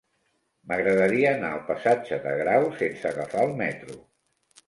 M'agradaria anar al passatge de Grau sense agafar el metro.